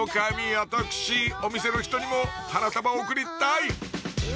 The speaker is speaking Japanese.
私お店の人にも花束贈りたい！